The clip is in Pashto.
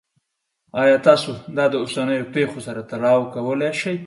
ایا تاسو دا د اوسنیو پیښو سره تړاو کولی شئ؟